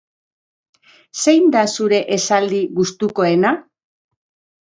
Zein da zure esaldi gustukoena?